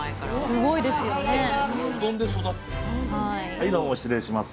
はいどうも失礼します。